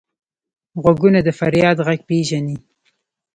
غوږونه د فریاد غږ پېژني